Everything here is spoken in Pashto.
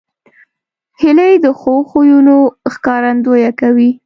هیلۍ د ښو خویونو ښکارندویي کوي